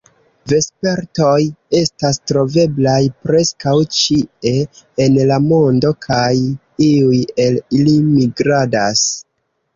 Vespertoj estas troveblaj preskaŭ ĉie en la mondo, kaj iuj el ili migradas.